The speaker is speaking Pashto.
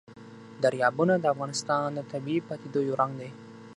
دریابونه د افغانستان د طبیعي پدیدو یو رنګ دی.